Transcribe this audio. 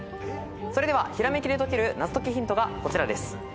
それではひらめきで解ける謎解きヒントがこちらです。